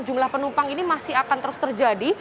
jumlah penumpang ini masih akan terus terjadi